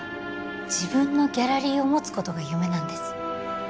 自分のギャラリーを持つことが夢なんです